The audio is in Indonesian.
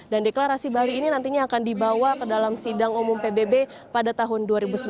dan deklarasi bali ini nantinya akan dibawa ke dalam sidang umum pbb pada tahun dua ribu sembilan belas